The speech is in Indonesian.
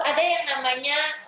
ada yang namanya